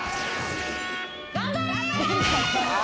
頑張れ。